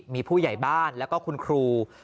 มีผู้ใหญ่บ้านแล้วก็คุณครู